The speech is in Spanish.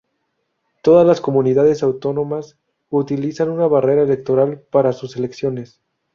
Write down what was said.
Todas las comunidades autónomas utilizan una barrera electoral para sus elecciones.